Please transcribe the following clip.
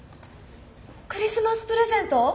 クリスマスプレゼント？